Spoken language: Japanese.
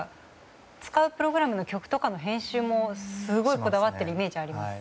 使うプログラムの曲とかの編集もすごいこだわってるイメージがあります。